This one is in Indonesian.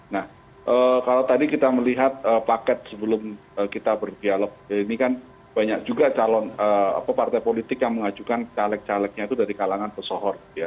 nah kalau tadi kita melihat paket sebelum kita berdialog ini kan banyak juga calon partai politik yang mengajukan caleg calegnya itu dari kalangan pesohor